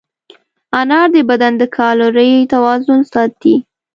انار د بدن د کالورۍ توازن ساتي.